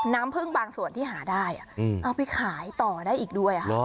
น้ำพึ่งบางส่วนที่หาได้เอาไปขายต่อได้อีกด้วยค่ะ